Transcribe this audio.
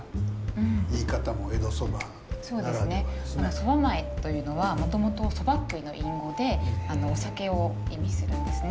蕎麦前というのはもともと蕎麦っ喰いの隠語でお酒を意味するんですね。